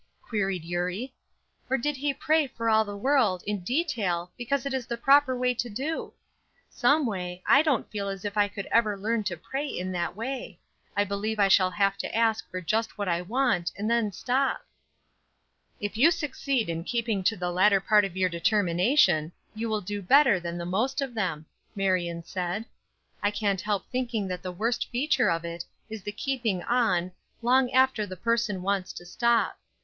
queried Eurie. "Or did he pray for all the world in detail because that is the proper way to do? Someway, I don't feel as if I could ever learn to pray in that way. I believe I shall have to ask for just what I want and then stop." "If you succeed in keeping to the latter part of your determination you will do better than the most of them," Marion said. "I can't help thinking that the worst feature of it is the keeping on, long after the person wants to stop.